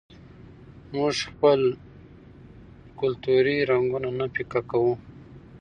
موږ خپل کلتوري رنګونه نه پیکه کوو.